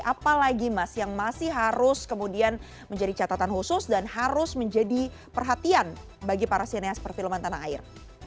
apalagi mas yang masih harus kemudian menjadi catatan khusus dan harus menjadi perhatian bagi para sineas perfilman tanah air